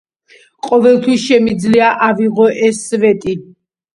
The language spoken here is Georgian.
ყოველთვის შემიძლია ავიღო ეს სვეტი.